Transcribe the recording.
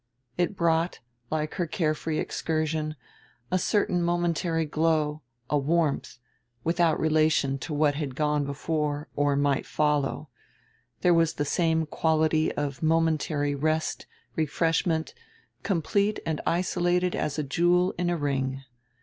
It brought, like her carefree excursion, a certain momentary glow, a warmth, without relation to what had gone before or might follow; there was the same quality of momentary rest, refreshment, complete and isolated as a jewel in a ring.